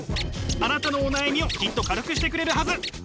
あなたのお悩みをきっと軽くしてくれるはず。